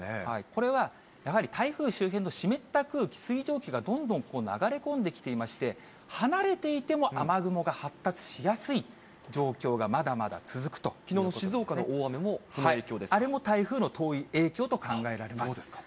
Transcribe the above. これは、やはり台風周辺の湿った空気、水蒸気がどんどん流れ込んできていまして、離れていても雨雲が発達しやすい状況が、まだまだ続くということきのうの静岡の大雨も、あれも台風の遠い影響と考えそうですか。